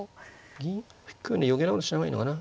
銀引く余計なことしない方がいいのかな。